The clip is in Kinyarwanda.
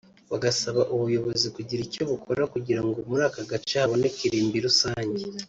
bagasaba ubuyobozi kugira icyo bukora kugirango muri aka gace haboneke irimbi rusange